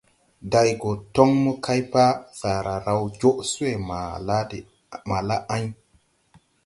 Day go toŋ mo kay pa, saara raw joʼ swé ma la ɛŋ.